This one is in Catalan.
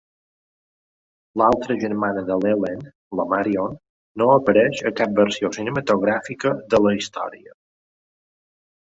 L'altra germana de l'Ellen, la Marion, no apareix a cap versió cinematogràfica de la història.